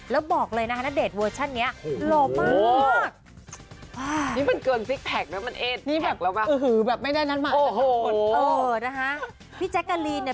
แล้วบอกเลยนะฮะณเดชน์เวอร์ชันนี้